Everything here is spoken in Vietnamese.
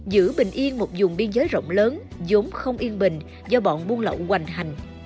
giữ bình yên một dùng biên giới rộng lớn giống không yên bình do bọn buôn lậu hoành hành